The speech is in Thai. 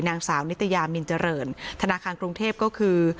เสียชีวิตเลยนางสาวนิตยามินเจริญธนาคารกรุงเทพฯก็คือ